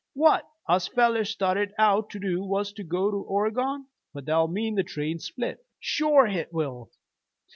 What us fellers started out to do was to go to Oregon." "But that'll mean the train's split!" "Shore hit will!